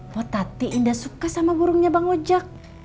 wah tati indah suka sama burungnya bang ojak